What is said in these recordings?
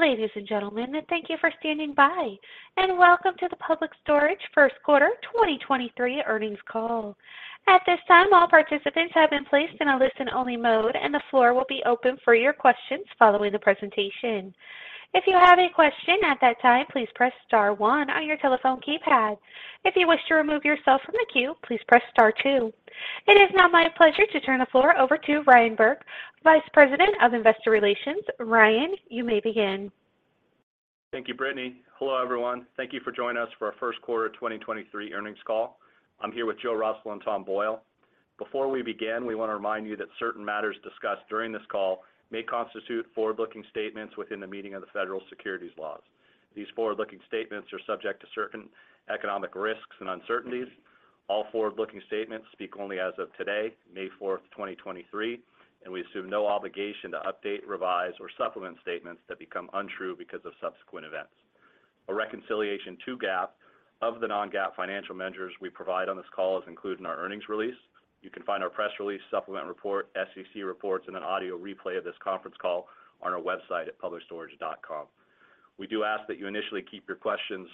Ladies and gentlemen, thank you for standing by. Welcome to the Public Storage First Quarter 2023 Earnings Call. At this time, all participants have been placed in a listen-only mode. The floor will be open for your questions following the presentation. If you have any question at that time, please press star one on your telephone keypad. If you wish to remove yourself from the queue, please press star two. It is now my pleasure to turn the floor over to Ryan Burke, Vice President of Investor Relations. Ryan, you may begin. Thank you, Brittany. Hello, everyone. Thank you for joining us for our first quarter 2023 earnings call. I'm here with Joe Russell and Tom Boyle. Before we begin, we want to remind you that certain matters discussed during this call may constitute forward-looking statements within the meaning of the federal securities laws. These forward-looking statements are subject to certain economic risks and uncertainties. All forward-looking statements speak only as of today, May 4th, 2023, and we assume no obligation to update, revise, or supplement statements that become untrue because of subsequent events. A reconciliation to GAAP of the non-GAAP financial measures we provide on this call is included in our earnings release. You can find our press release, supplement report, SEC reports, and an audio replay of this conference call on our website at publicstorage.com. We do ask that you initially keep your questions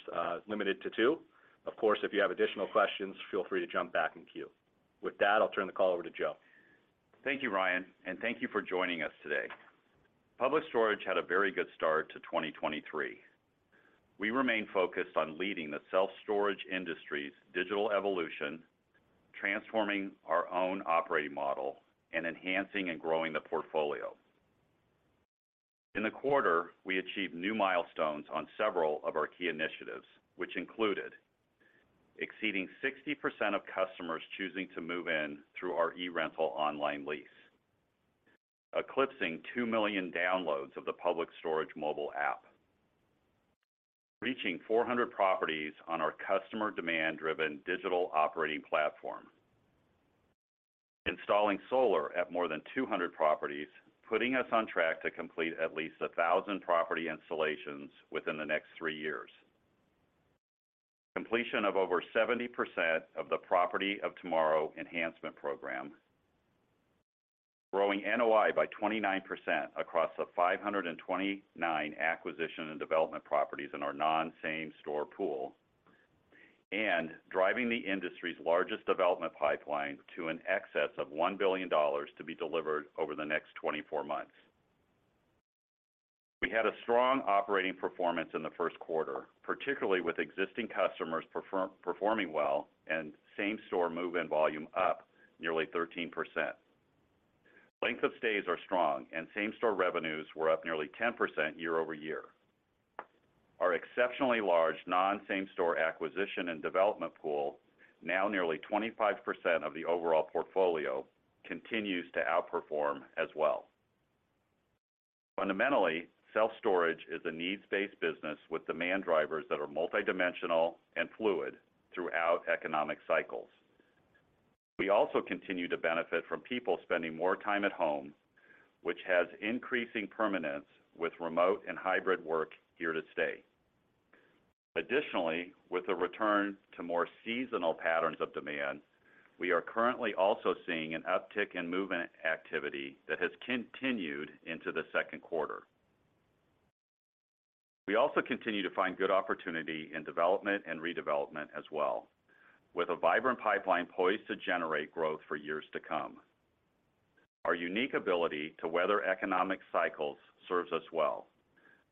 limited to two. Of course, if you have additional questions, feel free to jump back in queue. With that, I'll turn the call over to Joe. Thank you, Ryan, thank you for joining us today. Public Storage had a very good start to 2023. We remain focused on leading the self-storage industry's digital evolution, transforming our own operating model and enhancing and growing the portfolio. In the quarter, we achieved new milestones on several of our key initiatives, which included exceeding 60% of customers choosing to move in through our eRental online lease, eclipsing two million downloads of the Public Storage mobile app, reaching 400 properties on our customer demand-driven digital operating platform, installing solar at more than 200 properties, putting us on track to complete at least 1,000 property installations within the next three years, completion of over 70% of the Property of Tomorrow enhancement program, growing NOI by 29% across the 529 Acquisition and Development properties in our non-same store pool, and driving the industry's largest Development pipeline to an excess of $1 billion to be delivered over the next 24 months. We had a strong operating performance in the first quarter, particularly with existing customers performing well and same-store move-in volume up nearly 13%. Length of stays are strong and same-store revenues were up nearly 10% year-over-year. Our exceptionally large non-same store Acquisition and Development pool, now nearly 25% of the overall portfolio, continues to outperform as well. Fundamentally, self-storage is a needs-based business with demand drivers that are multidimensional and fluid throughout economic cycles. We also continue to benefit from people spending more time at home, which has increasing permanence with remote and hybrid work here to stay. Additionally, with the return to more seasonal patterns of demand, we are currently also seeing an uptick in movement activity that has continued into the second quarter. We also continue to find good opportunity in development and redevelopment as well, with a vibrant pipeline poised to generate growth for years to come. Our unique ability to weather economic cycles serves us well,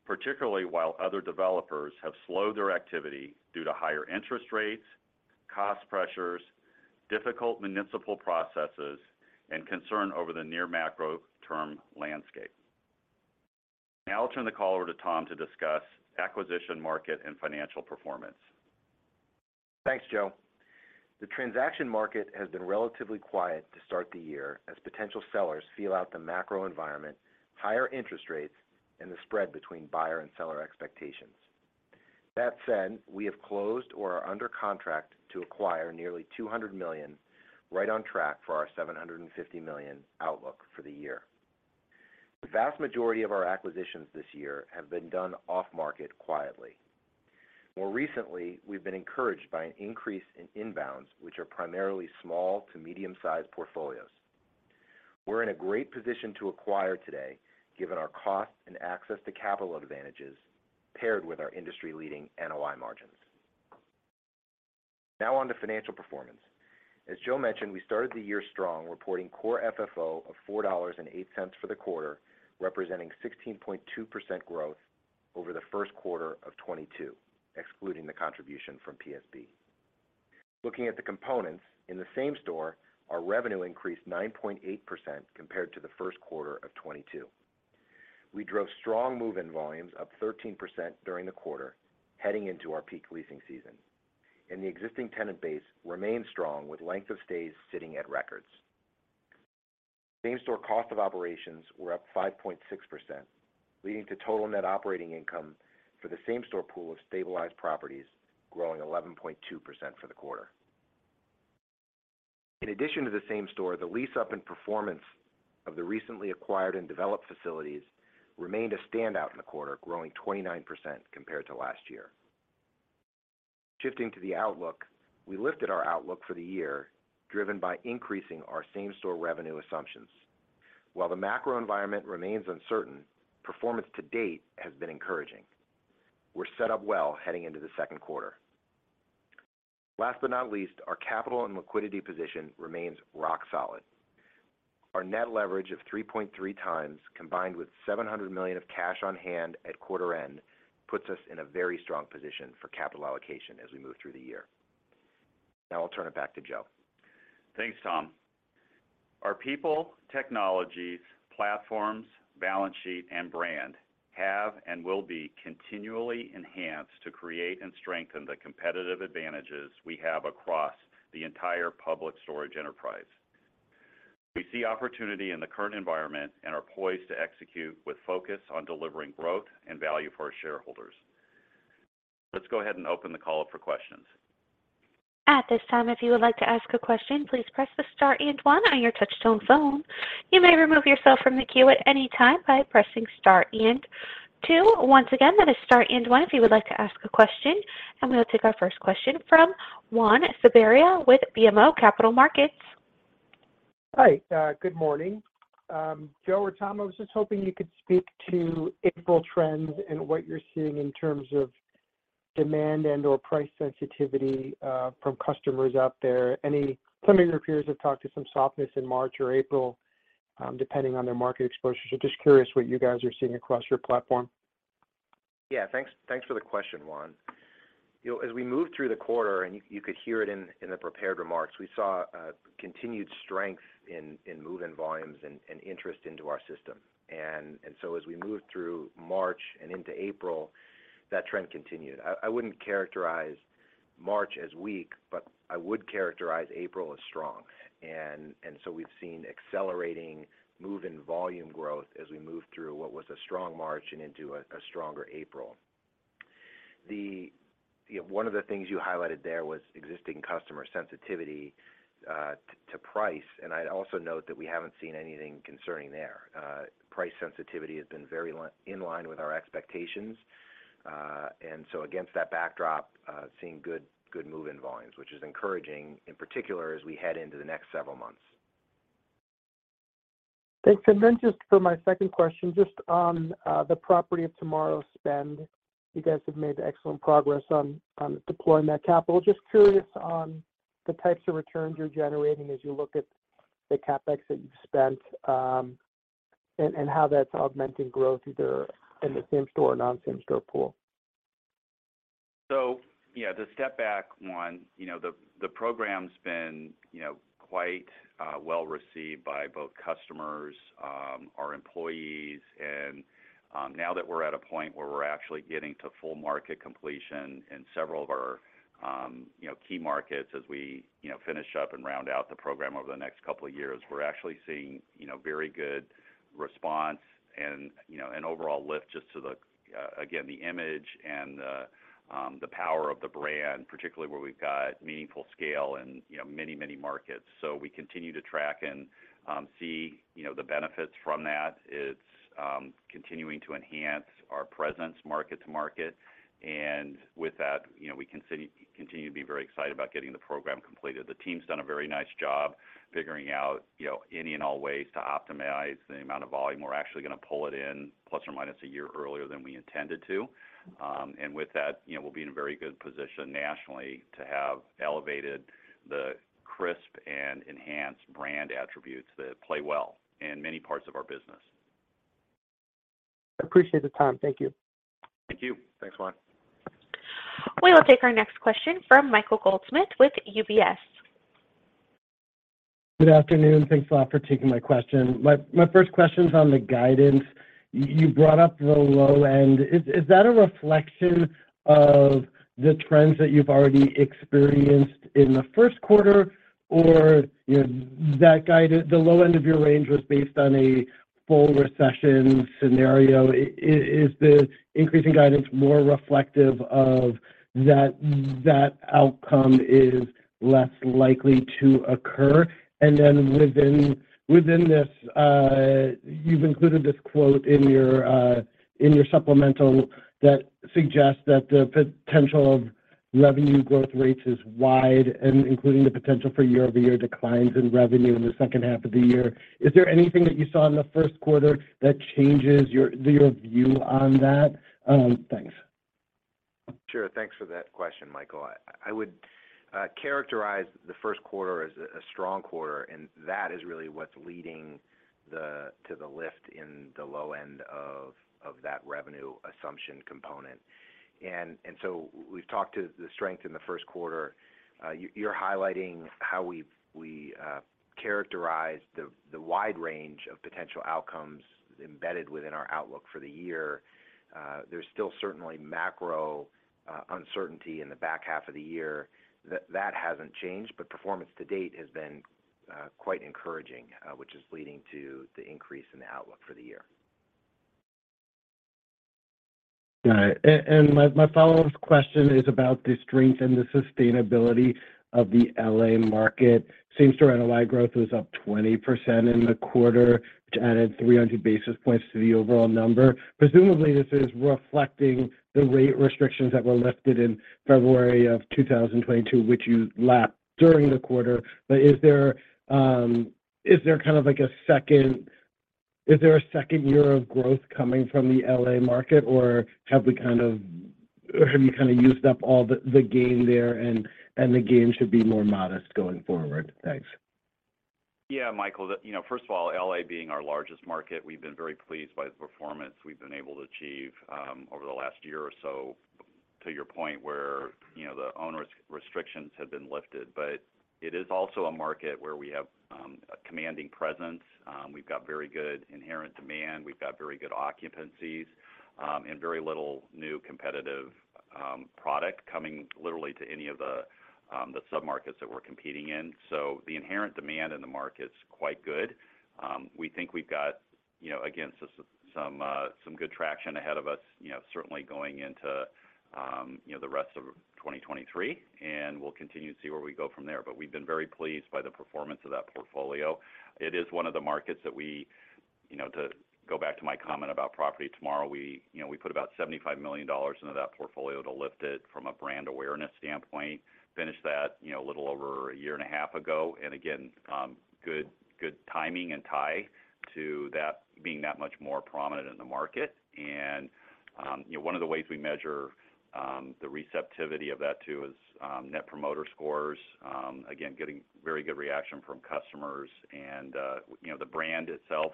particularly while other developers have slowed their activity due to higher interest rates, cost pressures, difficult municipal processes, and concern over the near macro term landscape. I'll turn the call over to Tom to discuss Acquisition market and financial performance. Thanks, Joe. The transaction market has been relatively quiet to start the year as potential sellers feel out the macro environment, higher interest rates, and the spread between buyer and seller expectations. That said, we have closed or are under contract to acquire nearly $200 million, right on track for our $750 million outlook for the year. The vast majority of our Acquisitions this year have been done off-market quietly. More recently, we've been encouraged by an increase in inbounds, which are primarily small to medium-sized portfolios. We're in a great position to acquire today, given our cost and access to capital advantages paired with our industry-leading NOI margins. Now on to financial performance. As Joe mentioned, we started the year strong, reporting Core FFO of $4.08 for the quarter, representing 16.2% growth over the first quarter of 2022, excluding the contribution from PSB. Looking at the components, in the same store, our revenue increased 9.8% compared to the first quarter of 2022. We drove strong move-in volumes up 13% during the quarter, heading into our peak leasing season, and the existing tenant base remains strong with length of stays sitting at records. Same-store cost of operations were up 5.6%, leading to total net operating income for the same-store pool of stabilized properties growing 11.2% for the quarter. In addition to the same store, the lease-up and performance of the recently acquired and developed facilities remained a standout in the quarter, growing 29% compared to last year. Shifting to the outlook, we lifted our outlook for the year, driven by increasing our same-store revenue assumptions. While the macro environment remains uncertain, performance to date has been encouraging. We're set up well heading into the second quarter. Last but not least, our capital and liquidity position remains rock solid. Our net leverage of 3.3 times, combined with $700 million of cash on hand at quarter end, puts us in a very strong position for capital allocation as we move through the year. Now I'll turn it back to Joe. Thanks, Tom. Our people, technologies, platforms, balance sheet, and brand have and will be continually enhanced to create and strengthen the competitive advantages we have across the entire Public Storage enterprise. We see opportunity in the current environment and are poised to execute with focus on delivering growth and value for our shareholders. Let's go ahead and open the call up for questions. At this time, if you would like to ask a question, please press the star and one on your touch-tone phone. You may remove yourself from the queue at any time by pressing star and two. Once again, that is star and one if you would like to ask a question, we will take our first question from Juan Sanabria with BMO Capital Markets. Hi. Good morning. Joe or Tom, I was just hoping you could speak to April trends and what you're seeing in terms of demand and/or price sensitivity from customers out there. Some of your peers have talked to some softness in March or April, depending on their market exposure. Just curious what you guys are seeing across your platform. Yeah. Thanks, thanks for the question, Juan. You know, as we moved through the quarter, and you could hear it in the prepared remarks, we saw continued strength in move-in volumes and interest into our system. As we moved through March and into April, that trend continued. I wouldn't characterize March as weak, but I would characterize April as strong. We've seen accelerating move-in volume growth as we moved through what was a strong March and into a stronger April. One of the things you highlighted there was existing customer sensitivity to price, and I'd also note that we haven't seen anything concerning there. Price sensitivity has been very in line with our expectations. Against that backdrop, seeing good move-in volumes, which is encouraging, in particular, as we head into the next several months. Thanks. Just for my second question, just on the Property of Tomorrow spend, you guys have made excellent progress on deploying that capital. Just curious on the types of returns you're generating as you look at the CapEx that you've spent, and how that's augmenting growth either in the same-store or non-same-store pool? Yeah, to step back, Juan, you know, the program's been, you know, quite well received by both customers, our employees, and now that we're at a point where we're actually getting to full market completion in several of our, you know, key markets as we, you know, finish up and round out the program over the next couple of years, we're actually seeing, you know, very good response and, you know, an overall lift just to the again, the image and the power of the brand, particularly where we've got meaningful scale in, you know, many, many markets. We continue to track and see, you know, the benefits from that. It's continuing to enhance our presence market to market, and with that, you know, we continue to be very excited about getting the program completed. The team's done a very nice job figuring out, you know, any and all ways to optimize the amount of volume. We're actually going to pull it in ±1 year earlier than we intended to. With that, you know, we'll be in a very good position nationally to have elevated the crisp and enhanced brand attributes that play well in many parts of our business. I appreciate the time. Thank you. Thank you. Thanks, Juan. We will take our next question from Michael Goldsmith with UBS. Good afternoon. Thanks a lot for taking my question. My first question's on the guidance. You brought up the low end. Is that a reflection of the trends that you've already experienced in the first quarter? You know, the low end of your range was based on a full recession scenario. Is the increase in guidance more reflective of that outcome is less likely to occur? Within this, you've included this quote in your supplemental that suggests that the potential of revenue growth rates is wide and including the potential for year-over-year declines in revenue in the second half of the year. Is there anything that you saw in the first quarter that changes your view on that? Thanks. Sure. Thanks for that question, Michael. I would characterize the first quarter as a strong quarter, and that is really what's leading to the lift in the low end of that revenue assumption component. So we've talked to the strength in the first quarter. You're highlighting how we've we characterized the wide range of potential outcomes embedded within our outlook for the year. There's still certainly macro uncertainty in the back half of the year. That hasn't changed, but performance to date has been quite encouraging, which is leading to the increase in the outlook for the year. All right. My follow-up question is about the strength and the sustainability of the L.A. market. Same store NOI growth was up 20% in the quarter, which added 300 basis points to the overall number. Presumably, this is reflecting the rate restrictions that were lifted in February of 2022, which you lapped during the quarter. Is there kind of like a second year of growth coming from the L.A. market, or have you kind of used up all the gain there and the gain should be more modest going forward? Thanks. Yeah, Michael. The, you know, first of all, L.A. being our largest market, we've been very pleased by the performance we've been able to achieve over the last year or so, to your point, where, you know, the owners restrictions have been lifted. It is also a market where we have a commanding presence. We've got very good inherent demand. We've got very good occupancies, and very little new competitive product coming literally to any of the sub-markets that we're competing in. The inherent demand in the market's quite good. We think we've got, you know, again, some good traction ahead of us, you know, certainly going into, you know, the rest of 2023, and we'll continue to see where we go from there. We've been very pleased by the performance of that portfolio. It is one of the markets that we, you know, to go back to my comment about Property Tomorrow, we, you know, we put about $75 million into that portfolio to lift it from a brand awareness standpoint. Finished that, you know, a little over a year and a half ago. Again, good timing and tie to that being that much more prominent in the market. You know, one of the ways we measure the receptivity of that too is Net Promoter Scores. Again, getting very good reaction from customers and, you know, the brand itself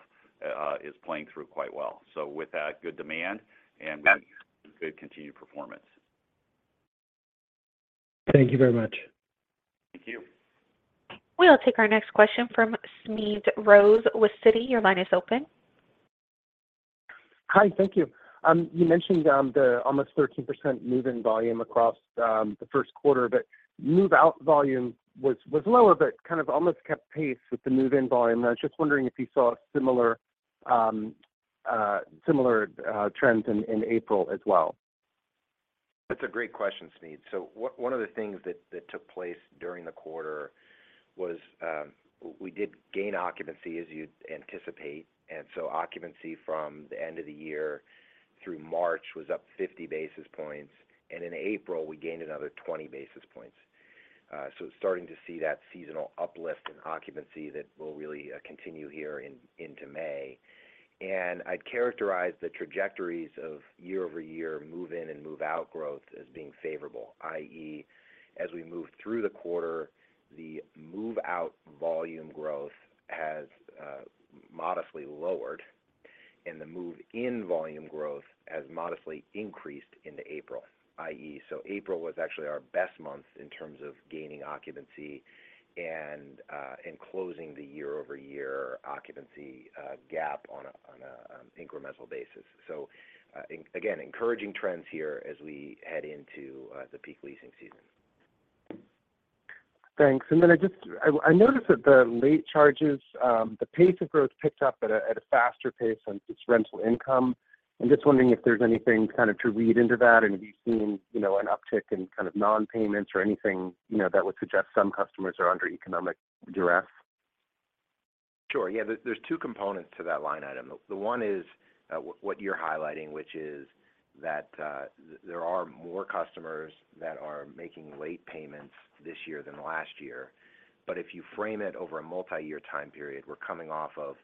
is playing through quite well. With that, good demand and good continued performance. Thank you very much. Thank you. We'll take our next question from Smedes Rose with Citi. Your line is open. Hi. Thank you. You mentioned the almost 13% move-in volume across the first quarter, but move-out volume was lower, but kind of almost kept pace with the move-in volume. I was just wondering if you saw similar trends in April as well? That's a great question, Smedes. One of the things that took place during the quarter was, we did gain occupancy, as you'd anticipate. Occupancy from the end of the year through March was up 50 basis points. In April, we gained another 20 basis points. Starting to see that seasonal uplift in occupancy that will really continue here into May. I'd characterize the trajectories of year-over-year move-in and move-out growth as being favorable, i.e., as we move through the quarter, the move-out volume growth has modestly lowered, and the move-in volume growth has modestly increased into April, i.e., so April was actually our best month in terms of gaining occupancy and in closing the year-over-year occupancy gap on an incremental basis. Again, encouraging trends here as we head into the peak leasing season. Thanks. I noticed that the late charges, the pace of growth picked up at a faster pace on its rental income. I'm just wondering if there's anything kind of to read into that and if you've seen, you know, an uptick in kind of non-payments or anything, you know, that would suggest some customers are under economic duress? Sure. Yeah. There's two components to that line item. The one is what you're highlighting, which is that there are more customers that are making late payments this year than last year. If you frame it over a multi-year time period, we're coming off of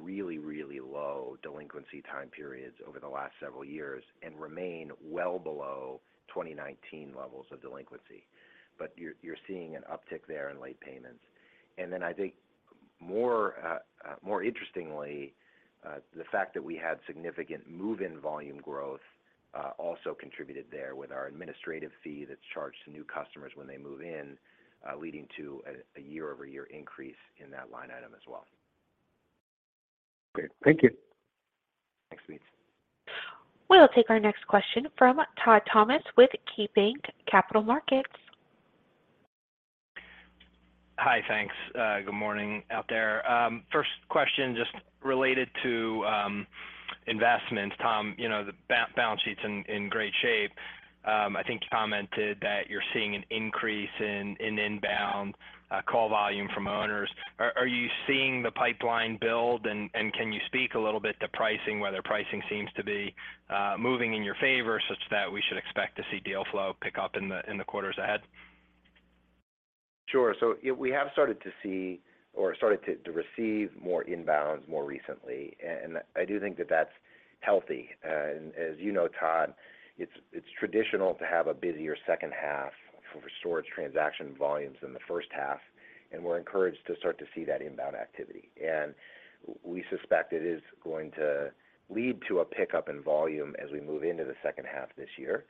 really, really low delinquency time periods over the last several years and remain well below 2019 levels of delinquency. You're seeing an uptick there in late payments. Then I think more interestingly, the fact that we had significant move-in volume growth also contributed there with our administrative fee that's charged to new customers when they move in, leading to a year-over-year increase in that line item as well. Great. Thank you. Thanks, Smedes. We'll take our next question from Todd Thomas with KeyBanc Capital Markets. Hi. Thanks. Good morning out there. First question, just related to investments, Tom. You know, the balance sheet's in great shape. I think you commented that you're seeing an increase in inbound call volume from owners. Are you seeing the pipeline build, and can you speak a little bit to pricing, whether pricing seems to be moving in your favor such that we should expect to see deal flow pick up in the quarters ahead? Sure. We have started to see or started to receive more inbounds more recently, and I do think that that's healthy. As you know, Todd, it's traditional to have a busier second half for storage transaction volumes than the first half, and we're encouraged to start to see that inbound activity. We suspect it is going to lead to a pickup in volume as we move into the second half this year.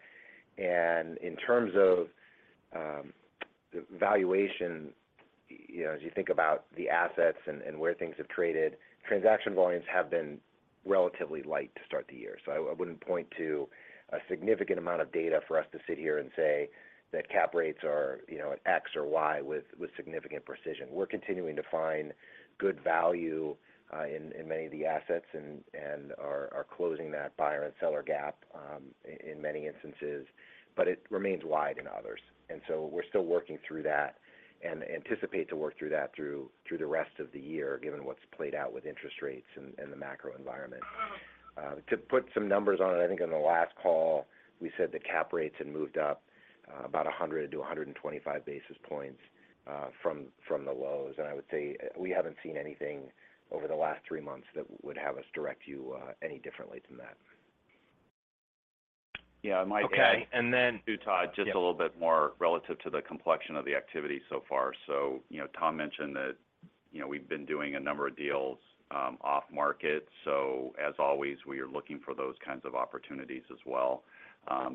In terms of the valuation You know, as you think about the assets and where things have traded, transaction volumes have been relatively light to start the year. I wouldn't point to a significant amount of data for us to sit here and say that cap rates are, you know, at X or Y with significant precision. We're continuing to find good value in many of the assets and are closing that buyer and seller gap in many instances, but it remains wide in others. We're still working through that and anticipate to work through that through the rest of the year, given what's played out with interest rates and the macro environment. to put some numbers on it, I think on the last call, we said the cap rates had moved up, about 100 to 125 basis points, from the lows. I would say we haven't seen anything over the last three months that would have us direct you, any differently than that. Yeah. I might add- Okay. -to Todd- Yes. Just a little bit more relative to the complexion of the activity so far. You know, Tom mentioned that, you know, we've been doing a number of deals off market. As always, we are looking for those kinds of opportunities as well.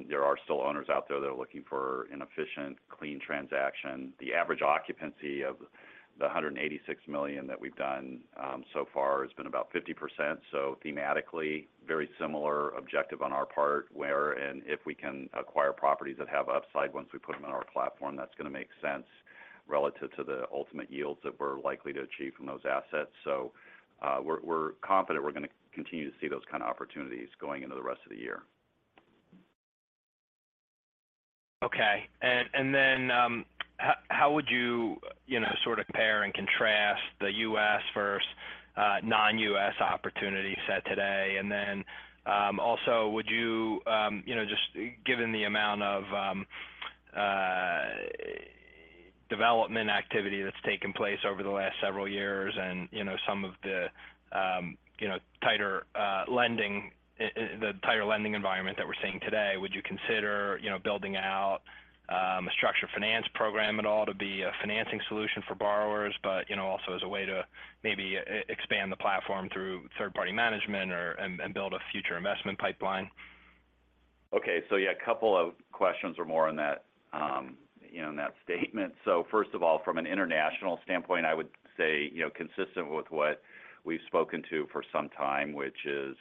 There are still owners out there that are looking for an efficient, clean transaction. The average occupancy of the $186 million that we've done so far has been about 50%. Thematically, very similar objective on our part, where and if we can acquire properties that have upside once we put them in our platform, that's gonna make sense relative to the ultimate yields that we're likely to achieve from those assets. We're confident we're gonna continue to see those kind of opportunities going into the rest of the year. Okay. Then, how would you know, sort of compare and contrast the US first, non-US opportunity set today? Then, also would you know, just given the amount of development activity that's taken place over the last several years and, you know, some of the, you know, tighter, the tighter lending environment that we're seeing today, would you consider, you know, building out a structured finance program at all to be a financing solution for borrowers, but, you know, also as a way to maybe e-expand the platform through third-party management or, and build a future investment pipeline? Okay. yeah, a couple of questions or more on that, you know, in that statement. first of all, from an international standpoint, I would say, you know, consistent with what we've spoken to for some time, which is,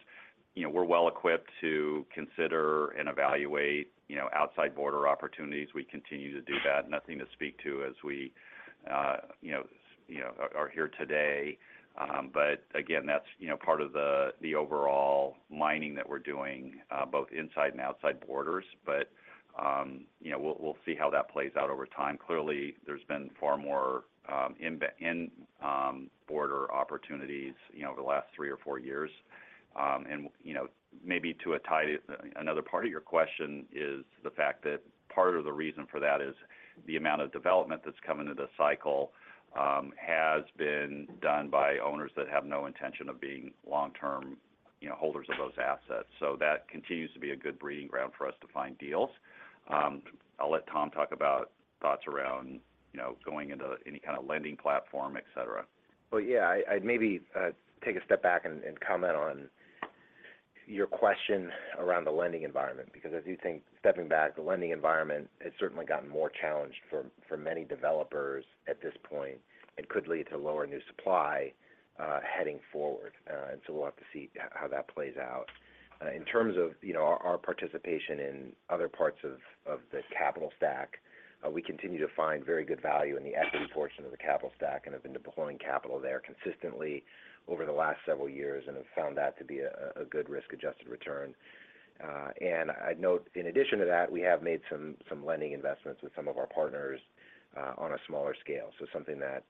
you know, we're well equipped to consider and evaluate, you know, outside border opportunities. We continue to do that. Nothing to speak to as we, you know, are here today. again, that's, you know, part of the overall mining that we're doing, both inside and outside borders. you know, we'll see how that plays out over time. Clearly, there's been far more, in border opportunities, you know, over the last three or four years. You know, maybe to another part of your question is the fact that part of the reason for that is the amount of development that's come into the cycle has been done by owners that have no intention of being long-term, you know, holders of those assets. That continues to be a good breeding ground for us to find deals. I'll let Tom talk about thoughts around, you know, going into any kind of lending platform, et cetera. Well, yeah, I'd maybe take a step back and comment on your question around the lending environment, because I do think stepping back, the lending environment has certainly gotten more challenged for many developers at this point and could lead to lower new supply heading forward. We'll have to see how that plays out. In terms of, you know, our participation in other parts of the capital stack, we continue to find very good value in the equity portion of the capital stack and have been deploying capital there consistently over the last several years and have found that to be a good risk-adjusted return. I'd note, in addition to that, we have made some lending investments with some of our partners on a smaller scale. Something that,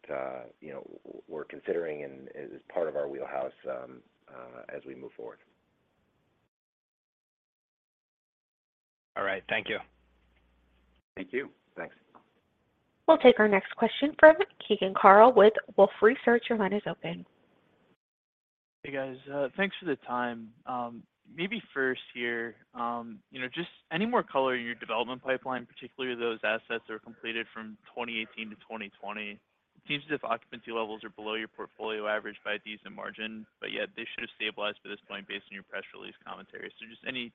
you know, we're considering and is part of our wheelhouse as we move forward. All right. Thank you. Thank you. Thanks. We'll take our next question from Keegan Carl with Wolfe Research. Your line is open. Hey, guys. Thanks for the time. Maybe first here, you know, just any more color in your Development pipeline, particularly those assets that are completed from 2018 to 2020. It seems as if occupancy levels are below your portfolio average by a decent margin, but yet they should have stabilized by this point based on your press release commentary. Just any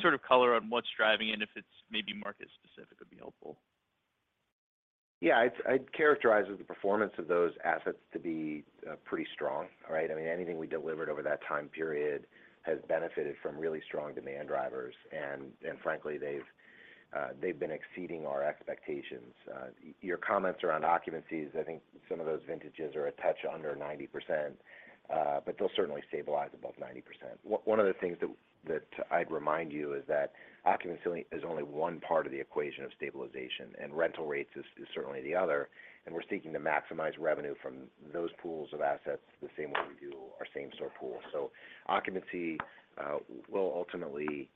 sort of color on what's driving it, if it's maybe market-specific would be helpful. Yeah. I'd characterize the performance of those assets to be pretty strong, right? I mean, anything we delivered over that time period has benefited from really strong demand drivers. Frankly, they've been exceeding our expectations. Your comments around occupancies, I think some of those vintages are a touch under 90%, but they'll certainly stabilize above 90%. One of the things that I'd remind you is that occupancy is only one part of the equation of stabilization, and rental rates is certainly the other. We're seeking to maximize revenue from those pools of assets the same way we do our same-store pool. Occupancy will ultimately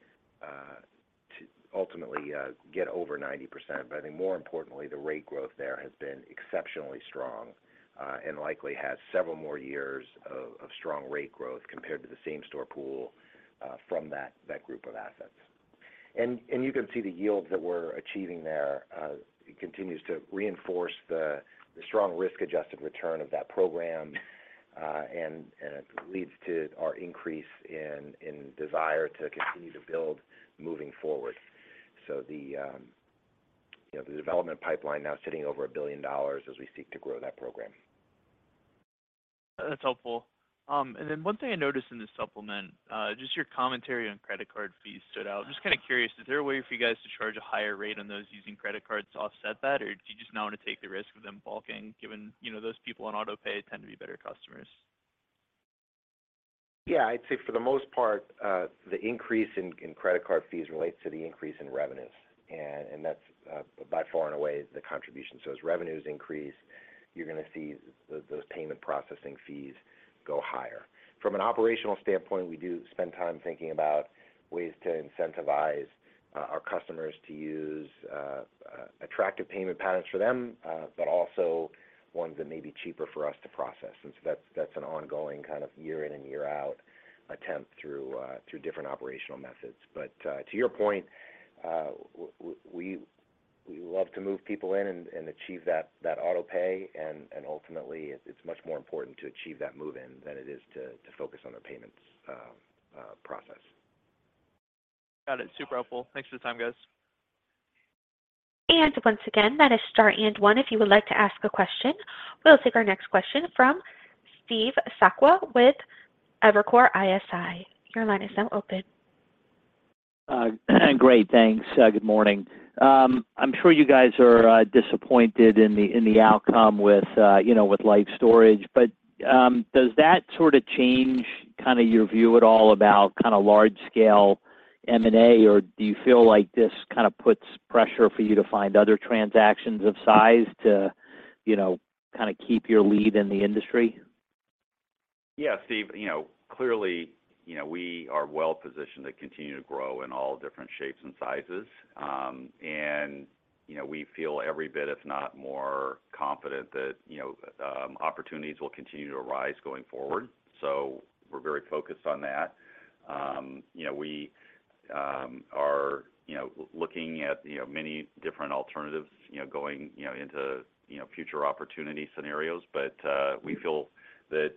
get over 90%. I think more importantly, the rate growth there has been exceptionally strong, and likely has several more years of strong rate growth compared to the same-store pool, from that group of assets. You can see the yields that we're achieving there, continues to reinforce the strong risk-adjusted return of that program, and it leads to our increase in desire to continue to build moving forward. The, you know, the Development pipeline now sitting over $1 billion as we seek to grow that program. That's helpful. One thing I noticed in this supplement, just your commentary on credit card fees stood out. I'm just kind of curious, is there a way for you guys to charge a higher rate on those using credit cards to offset that? Or do you just not want to take the risk of them balking, given, you know, those people on Autopay tend to be better customers? Yeah. I'd say for the most part, the increase in credit card fees relates to the increase in revenues. That's by far and away the contribution. As revenues increase, you're gonna see those payment processing fees go higher. From an operational standpoint, we do spend time thinking about ways to incentivize our customers to use attractive payment patterns for them, but also ones that may be cheaper for us to process. That's an ongoing kind of year in and year out attempt through different operational methods. To your point, we love to move people in and achieve that Autopay. Ultimately, it's much more important to achieve that move in than it is to focus on the payments process. Got it. Super helpful. Thanks for the time, guys. Once again, that is star one if you would like to ask a question. We'll take our next question from Steve Sakwa with Evercore ISI. Your line is now open. Great. Thanks. Good morning. I'm sure you guys are disappointed in the outcome with, you know, with Life Storage. Does that sort of change kind of your view at all about kind of large scale M&A, or do you feel like this kind of puts pressure for you to find other transactions of size to, you know, kind of keep your lead in the industry? Yeah. Steve, you know, clearly, you know, we are well positioned to continue to grow in all different shapes and sizes. You know, we feel every bit, if not more confident that, you know, opportunities will continue to arise going forward. We're very focused on that. You know, we are, you know, looking at, you know, many different alternatives, you know, going, you know, into, you know, future opportunity scenarios. We feel that,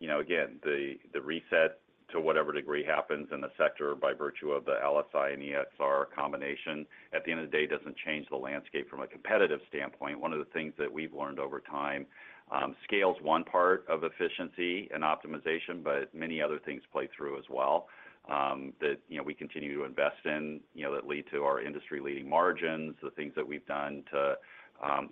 you know, again, the reset to whatever degree happens in the sector by virtue of the LSI and EXR combination at the end of the day, doesn't change the landscape from a competitive standpoint. One of the things that we've learned over time, scale's one part of efficiency and optimization, but many other things play through as well, that, you know, we continue to invest in, you know, that lead to our industry-leading margins, the things that we've done to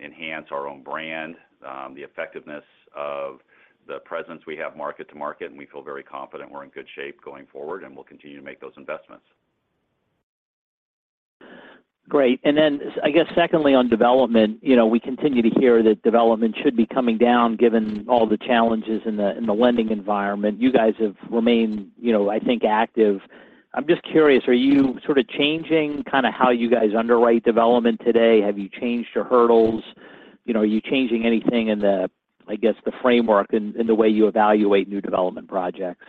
enhance our own brand, the effectiveness of the presence we have market to market, and we feel very confident we're in good shape going forward, and we'll continue to make those investments. Great. I guess secondly, on Development, you know, we continue to hear that Development should be coming down given all the challenges in the lending environment. You guys have remained, you know, I think active. I'm just curious, are you sort of changing kind of how you guys underwrite development today? Have you changed your hurdles? You know, are you changing anything in the, I guess, the framework in the way you evaluate new Development projects?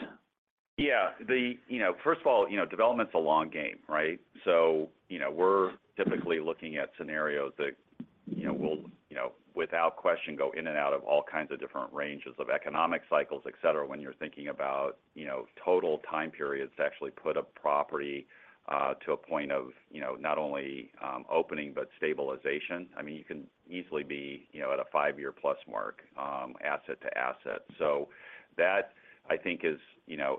Yeah. You know, first of all, you know, Development's a long game, right? You know, we're typically looking at scenarios that, you know, will, you know, without question, go in and out of all kinds of different ranges of economic cycles, et cetera, when you're thinking about, you know, total time periods to actually put a property to a point of, you know, not only opening but stabilization. I mean, you can easily be, you know, at a five-year-plus mark, asset to asset. That, I think is, you know,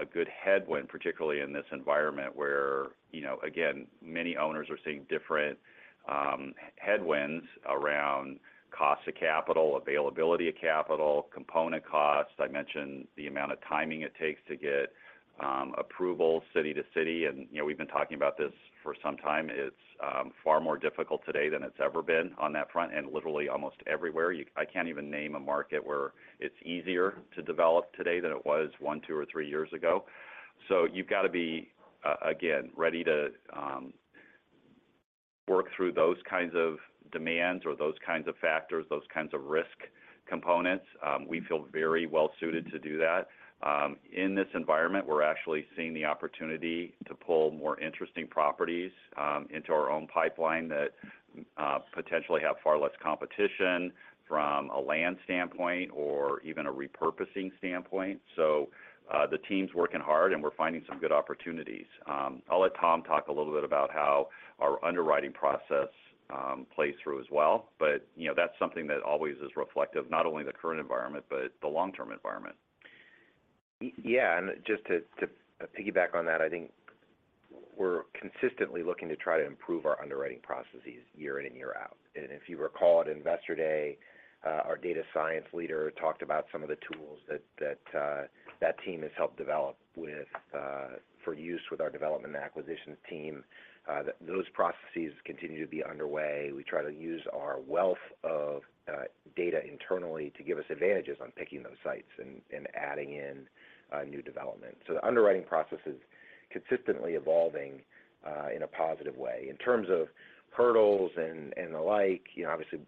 a good headwind, particularly in this environment where, you know, again, many owners are seeing different headwinds around cost of capital, availability of capital, component costs. I mentioned the amount of timing it takes to get approval city to city. You know, we've been talking about this for some time. It's far more difficult today than it's ever been on that front, and literally almost everywhere. I can't even name a market where it's easier to develop today than it was one, two, or three years ago. You've got to be, again, ready to work through those kinds of demands or those kinds of factors, those kinds of risk components. We feel very well suited to do that. In this environment, we're actually seeing the opportunity to pull more interesting properties into our own pipeline that potentially have far less competition from a land standpoint or even a repurposing standpoint. The team's working hard, and we're finding some good opportunities. I'll let Tom talk a little bit about how our underwriting process plays through as well. You know, that's something that always is reflective, not only the current environment, but the long-term environment. Yeah. Just to piggyback on that, I think we're consistently looking to try to improve our underwriting processes year in and year out. If you recall at Investor Day, our Data Science leader talked about some of the tools that team has helped develop with for use with our Development and Acquisitions team, that those processes continue to be underway. We try to use our wealth of data internally to give us advantages on picking those sites and adding in new development. The underwriting process is consistently evolving in a positive way. In terms of hurdles and the like, you know, obviously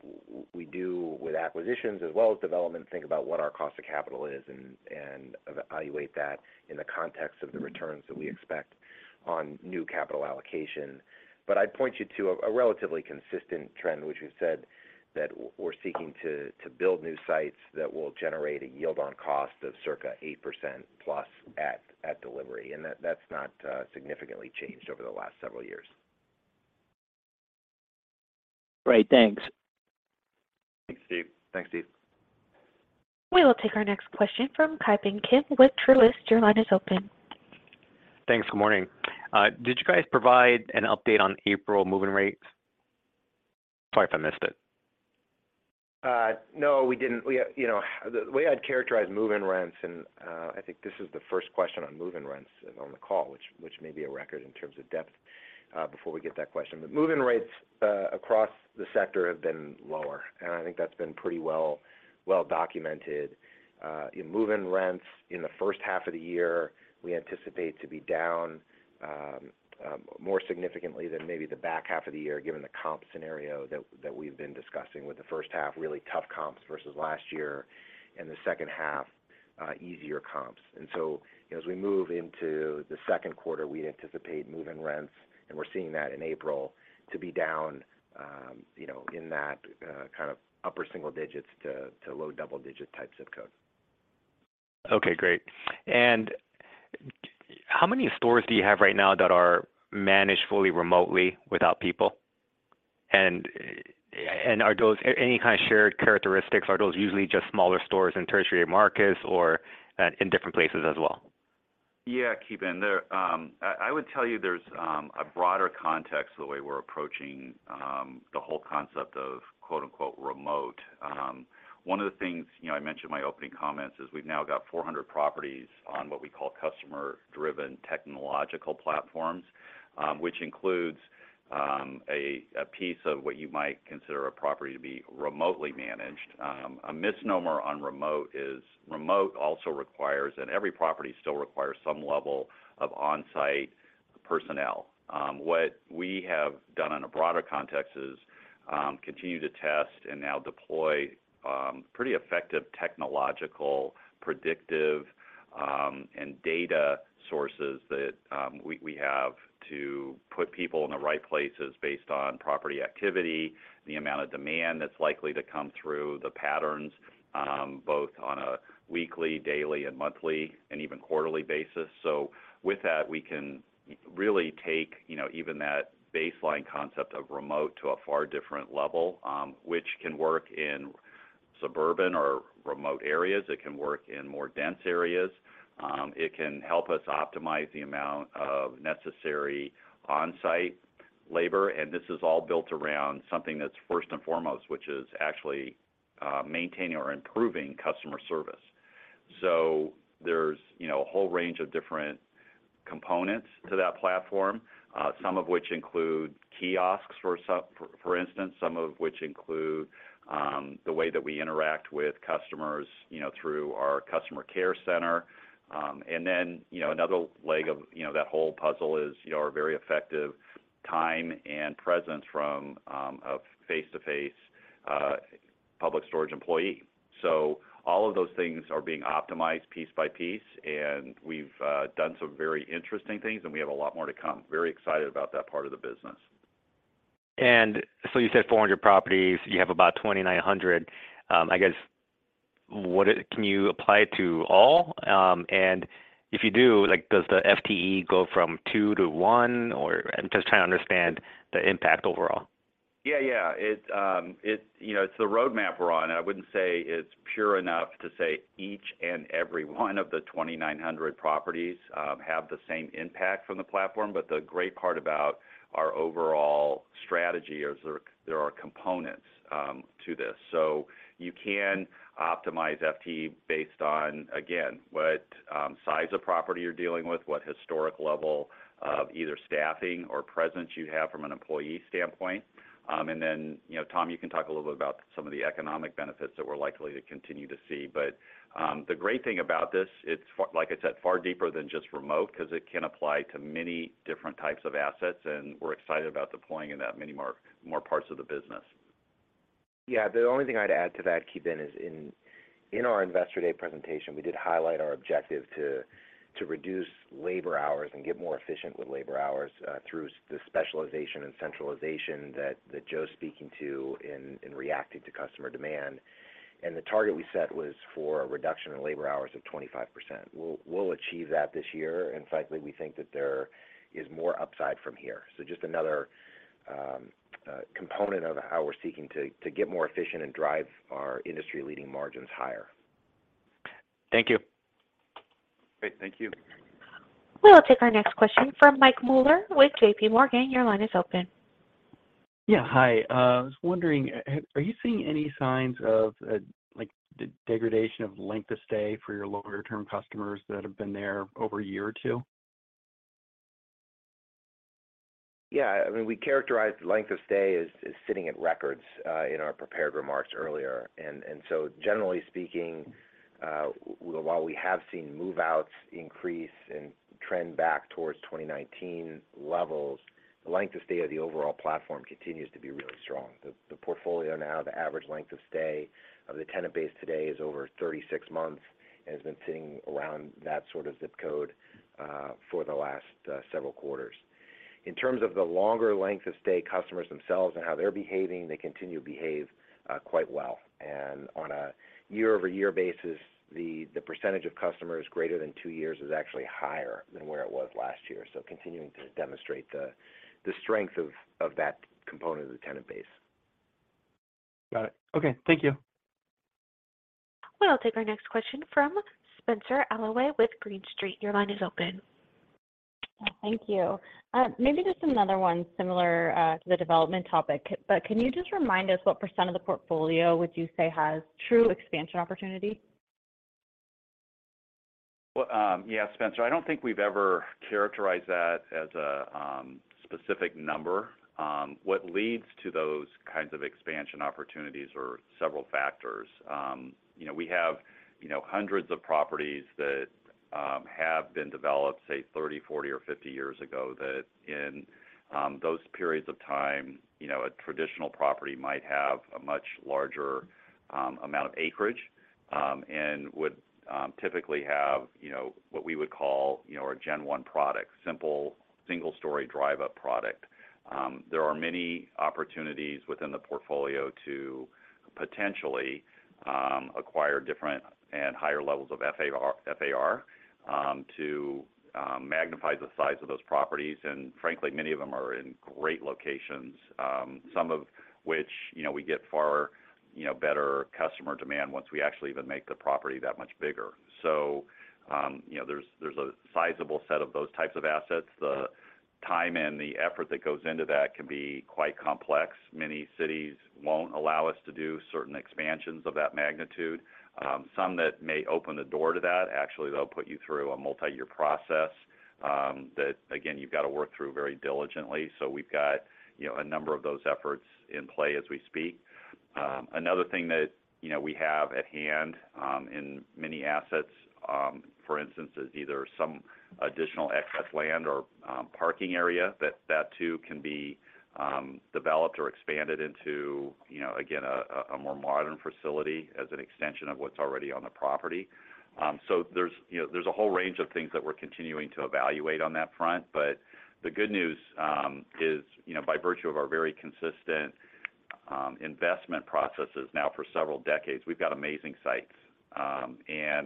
we do with Acquisitions as well as Development, think about what our cost of capital is and evaluate that in the context of the returns that we expect on new capital allocation. I'd point you to a relatively consistent trend, which we've said that we're seeking to build new sites that will generate a yield on cost of circa 8% plus at delivery. That's not significantly changed over the last several years. Great. Thanks. Thanks, Steve. We will take our next question from Ki Bin Kim with Truist. Your line is open. Thanks. Good morning. Did you guys provide an update on April move-in rates? Sorry if I missed it. No, we didn't. We, you know, the way I'd characterize move-in rents, I think this is the first question on move-in rents on the call, which may be a record in terms of depth before we get that question. Move-in rates across the sector have been lower, and I think that's been pretty well documented. Move-in rents in the first half of the year, we anticipate to be down more significantly than maybe the back half of the year, given the comp scenario that we've been discussing with the first half, really tough comps versus last year and the second half, easier comps. As we move into the second quarter, we anticipate move-in rents, and we're seeing that in April, to be down, you know, in that kind of upper single digits to low double-digit type zip code. Okay, great. How many stores do you have right now that are managed fully remotely without people? Are those any kind of shared characteristics? Are those usually just smaller stores in tertiary markets or in different places as well? Yeah, Ki Bin. There, I would tell you there's a broader context the way we're approaching the whole concept of, quote-unquote, remote. One of the things, you know, I mentioned in my opening comments is we've now got 400 properties on what we call Customer-Driven Technological platforms, which includes a piece of what you might consider a property to be remotely managed. A misnomer on remote is remote also requires, and every property still requires some level of on-site personnel. What we have done on a broader context is, continue to test and now deploy, pretty effective technological, predictive, and data sources that, we have to put people in the right places based on property activity, the amount of demand that's likely to come through, the patterns, both on a weekly, daily, and monthly, and even quarterly basis. With that, we can really take, you know, even that baseline concept of remote to a far different level, which can work in suburban or remote areas. It can work in more dense areas. It can help us optimize the amount of necessary on-site labor. This is all built around something that's first and foremost, which is actually, maintaining or improving customer service. There's, you know, a whole range of different components to that platform, some of which include kiosks, for instance, some of which include the way that we interact with customers, you know, through our Customer Care Center. Then, you know, another leg of, you know, that whole puzzle is, you know, our very effective time and presence from a face-to-face Public Storage employee. All of those things are being optimized piece by piece, and we've done some very interesting things, and we have a lot more to come. Very excited about that part of the business. You said 400 properties. You have about 2,900. I guess, can you apply it to all? If you do, like, tdoes the FTE go from two to one or... I'm just trying to understand the impact overall. Yeah, yeah. It, you know, it's the roadmap we're on. I wouldn't say it's pure enough to say each and every one of the 2,900 properties have the same impact from the platform. The great part about our overall strategy is there are components to this. You can optimize FTE based on, again, what size of property you're dealing with, what historic level of either staffing or presence you have from an employee standpoint. Then, you know, Tom, you can talk a little bit about some of the economic benefits that we're likely to continue to see. The great thing about this, it's far like I said, far deeper than just remote because it can apply to many different types of assets, and we're excited about deploying in that many more parts of the business. Yeah. The only thing I'd add to that, Ki Bin, is in our Investor Day presentation, we did highlight our objective to reduce labor hours and get more efficient with labor hours through the specialization and centralization that Joe's speaking to in reacting to customer demand. The target we set was for a reduction in labor hours of 25%. We'll achieve that this year. Frankly, we think that there is more upside from here. Just another component of how we're seeking to get more efficient and drive our industry-leading margins higher. Thank you. Great. Thank you. We will take our next question from Mike Mueller with JPMorgan. Your line is open. Yeah. Hi. I was wondering, are you seeing any signs of, like, degradation of length of stay for your longer-term customers that have been there over a year or two? Yeah. I mean, we characterized the length of stay as sitting at records in our prepared remarks earlier. Generally speaking, while we have seen move-outs increase and trend back towards 2019 levels, the length of stay of the overall platform continues to be really strong. The portfolio now, the average length of stay of the tenant base today is over 36 months and has been sitting around that sort of zip code for the last several quarters. In terms of the longer length of stay customers themselves and how they're behaving, they continue to behave quite well. On a year-over-year basis, the percentage of customers greater than two years is actually higher than where it was last year. Continuing to demonstrate the strength of that component of the tenant base. Got it. Okay. Thank you. Well, I'll take our next question from Spenser Allaway with Green Street. Your line is open. Thank you. Maybe just another one similar to the Development topic, but can you just remind us what % of the portfolio would you say has true expansion opportunity? Well, yeah, Spenser, I don't think we've ever characterized that as a specific number. What leads to those kinds of expansion opportunities are several factors. You know, we have, you know, hundreds of properties that have been developed say 30, 40, or 50 years ago that in those periods of time, you know, a traditional property might have a much larger amount of acreage and would typically have, you know, what we would call, you know, a Gen One product, simple single-story drive up product. There are many opportunities within the portfolio to potentially acquire different and higher levels of FAR to magnify the size of those properties. Frankly, many of them are in great locations, some of which, you know, we get far, you know, better customer demand once we actually even make the property that much bigger. You know, there's a sizable set of those types of assets. The time and the effort that goes into that can be quite complex. Many cities won't allow us to do certain expansions of that magnitude. Some that may open the door to that, actually, they'll put you through a multi-year process, that again, you've got to work through very diligently. We've got, you know, a number of those efforts in play as we speak. Another thing that, you know, we have at hand, in many assets, for instance, is either some additional excess land or parking area that too can be developed or expanded into, you know, again, a more modern facility as an extension of what's already on the property. There's, you know, there's a whole range of things that we're continuing to evaluate on that front. The good news, is, you know, by virtue of our very consistent investment processes now for several decades, we've got amazing sites.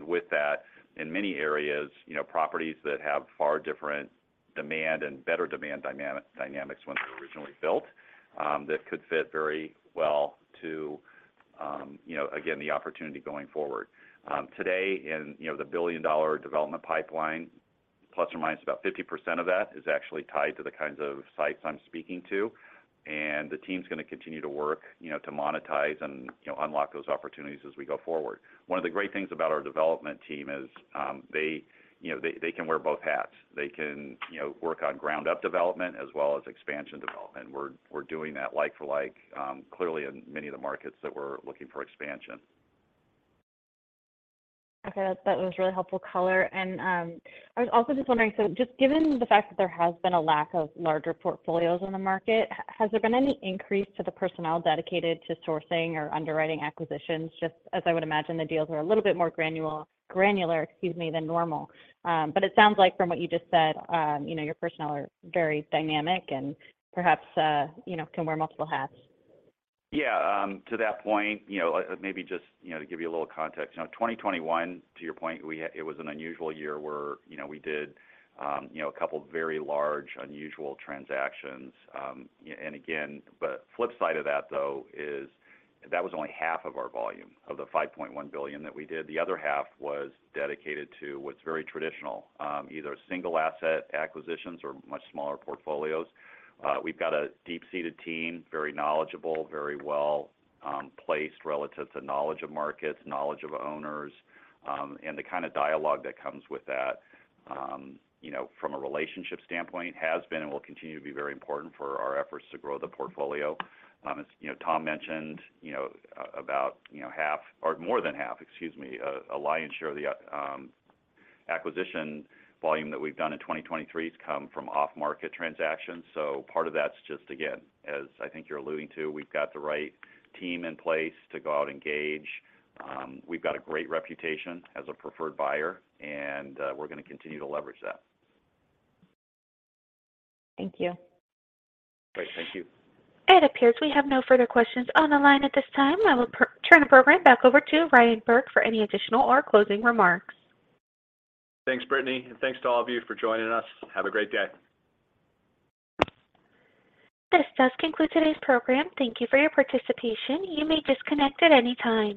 With that, in many areas, you know, properties that have far different demand and better demand dynamics when they were originally built, that could fit very well to, you know, again, the opportunity going forward. Today in, you know, the billion-dollar Development pipeline, ± 50% of that is actually tied to the kinds of sites I'm speaking to. The team's gonna continue to work, you know, to monetize and, you know, unlock those opportunities as we go forward. One of the great things about our Development team is, they, you know, they can wear both hats. They can, you know, work on ground up development as well as expansion development. We're doing that like for like, clearly in many of the markets that we're looking for expansion. Okay. That was really helpful color. I was also just wondering, so just given the fact that there has been a lack of larger portfolios on the market, has there been any increase to the personnel dedicated to sourcing or underwriting acquisitions? Just as I would imagine, the deals are a little bit more granular, excuse me, than normal. It sounds like from what you just said, you know, your personnel are very dynamic and perhaps, you know, can wear multiple hats. Yeah. To that point, maybe just to give you a little context, 2021, to your point, we had. It was an unusual year where we did a couple of very large, unusual transactions. Again, the flip side of that, though, is that was only half of our volume of the $5.1 billion that we did. The other half was dedicated to what's very traditional, either single asset acquisitions or much smaller portfolios. We've got a deep-seated team, very knowledgeable, very well placed relative to knowledge of markets, knowledge of owners, and the kind of dialogue that comes with that from a relationship standpoint has been and will continue to be very important for our efforts to grow the portfolio. As you know, Tom mentioned, you know, about, you know, half or more than half, excuse me, a lion's share of the Acquisition volume that we've done in 2023 has come from off-market transactions. Part of that's just, again, as I think you're alluding to, we've got the right team in place to go out and gauge. We've got a great reputation as a preferred buyer. We're gonna continue to leverage that. Thank you. Great. Thank you. It appears we have no further questions on the line at this time. I will turn the program back over to Ryan Burke for any additional or closing remarks. Thanks, Brittany, and thanks to all of you for joining us. Have a great day. This does conclude today's program. Thank you for your participation. You may disconnect at any time.